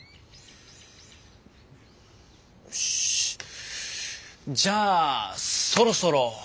よしじゃあそろそろね。